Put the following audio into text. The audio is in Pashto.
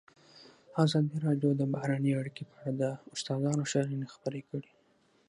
ازادي راډیو د بهرنۍ اړیکې په اړه د استادانو شننې خپرې کړي.